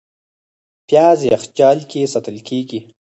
پیاز یخچال کې ساتل کېږي